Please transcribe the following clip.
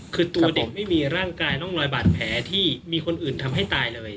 คือตัวเด็กไม่มีร่างกายร่องรอยบาดแผลที่มีคนอื่นทำให้ตายเลย